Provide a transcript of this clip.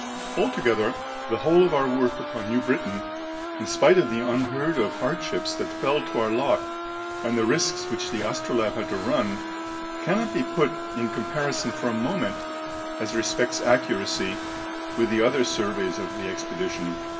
Altogether, the whole of our work upon New Britain, in spite of the unheard of hardships that fell to our lot and the risks which the Astrolabe had to run, cannot be put in comparison for a moment, as respects accuracy, with the other surveys of the expedition."